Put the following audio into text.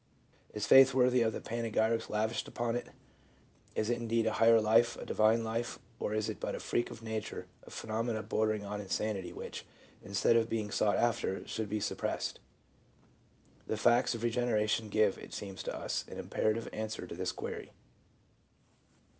Is faith worthy of the panegyrics lavished upon it ? Is it indeed a higher life, a divine life ; or is it but a freak of nature, a phenomenon bordering on insanity, which, instead of being sought after, should be suppressed f The facts of regeneration give, it seems to us, an imperative answer to this query.